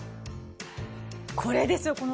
これですよ！